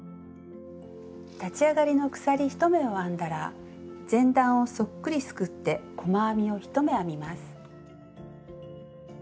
立ち上がりの鎖１目を編んだら前段をそっくりすくって細編みを１目編みます。